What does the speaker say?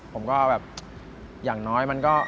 ผมก็แบบอย่างน้อย